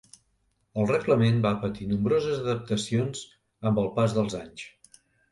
El reglament va patir nombroses adaptacions amb el pas dels anys.